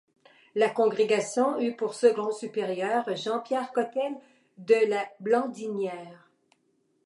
La congrégation eut pour second supérieur Jean-Pierre Cotelle de La Blandinière.